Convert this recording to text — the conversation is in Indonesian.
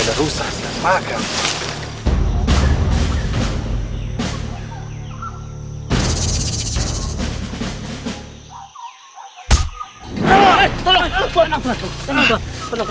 kau harus pulang ke sana